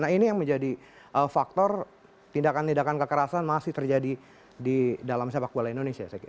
nah ini yang menjadi faktor tindakan tindakan kekerasan masih terjadi di dalam sepak bola indonesia